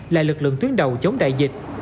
là lực lượng tuyến đầu chống đại dịch